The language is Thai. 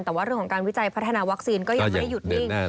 แต่ว่าเรื่องของการวิจัยพัฒนาวัคซีนก็ยังไม่ได้หยุดนิ่ง